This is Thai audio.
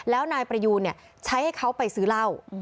แล้วนายประยูนใช้ให้เขาไปซื้อเหล้า